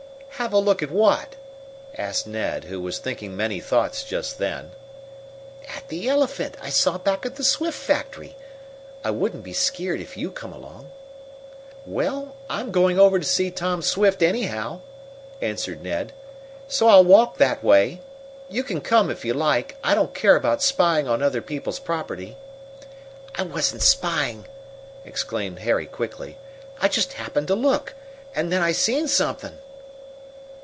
"Have a look at what?" asked Ned, who was thinking many thoughts just then. "At the elephant I saw back of the Swift factory. I wouldn't be skeered if you came along." "Well, I'm going over to see Tom Swift, anyhow," answered Ned, "so I'll walk that way. You can come if you like. I don't care about spying on other people's property " "I wasn't spyin'!" exclaimed Harry quickly. "I just happened to look. And then I seen something."